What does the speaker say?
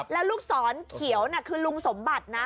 แล้วลูกสอนเขียวคือลุงสมบัตินะ